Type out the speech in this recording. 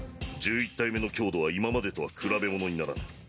１１体目の強度は今までとは比べ物にならん。